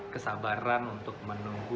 kesabaran untuk menunggu